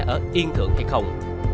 ở yên thượng hay không